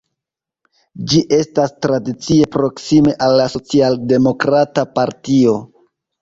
Ĝi estas tradicie proksime al la socialdemokrata partio.